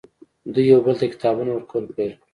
دوی یو بل ته کتابونه ورکول پیل کړل